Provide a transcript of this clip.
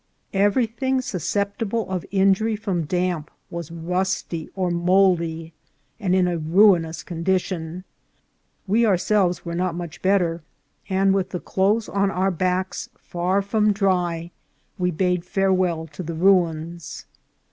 Ev erything susceptible of injury from damp was rusty or mouldy, and in a ruinous condition ; we ourselves were not much better ; and with the clothes on our backs far from dry, we bade farewell to the ruins.